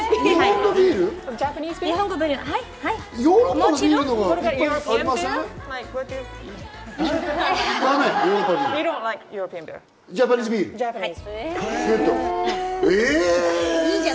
もちろん。